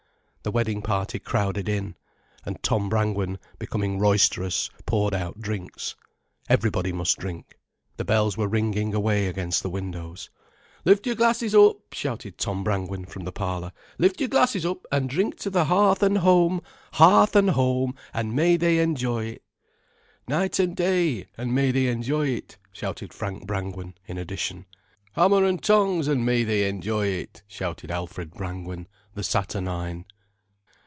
The wedding party crowded in, and Tom Brangwen, becoming roisterous, poured out drinks. Everybody must drink. The bells were ringing away against the windows. "Lift your glasses up," shouted Tom Brangwen from the parlour, "lift your glasses up, an' drink to the hearth an' home—hearth an' home, an' may they enjoy it." "Night an' day, an' may they enjoy it," shouted Frank Brangwen, in addition. "Hammer an' tongs, and may they enjoy it," shouted Alfred Brangwen, the saturnine.